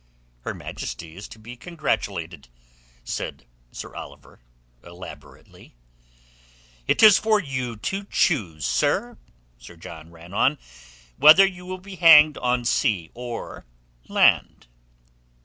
"Her Majesty is to be congratulated," said Sir Oliver elaborately. "It is for you to choose, sir," Sir John ran on, "whether you will be hanged on sea or land."